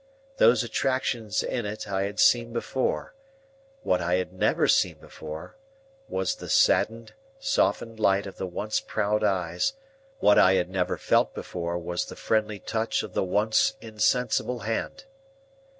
Those attractions in it, I had seen before; what I had never seen before, was the saddened, softened light of the once proud eyes; what I had never felt before was the friendly touch of the once insensible hand.